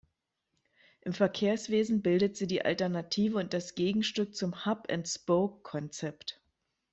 Im Verkehrswesen bildet sie die Alternative und das Gegenstück zum Hub-and-Spoke-Konzept.